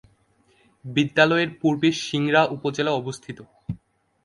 বিদ্যালয়ের পূর্বে সিংড়া উপজেলা অবস্থিত।